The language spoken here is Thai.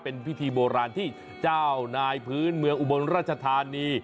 เป็นพิธีโบราณที่เจ้านายพื้นเมืองอุบลราชธานี